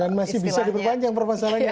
dan masih bisa diperpanjang perpasarannya